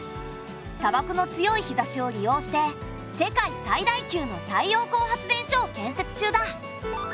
砂漠の強い日ざしを利用して世界最大級の太陽光発電所を建設中だ。